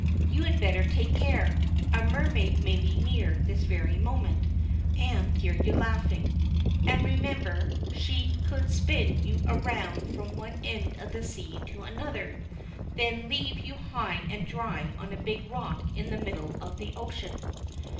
You had better take care! A mermaid may be near this very moment, and hear you laughing. And remember, she could spin you round from one end of the sea to another, then leave you high and dry on a big rock in the middle of the ocean.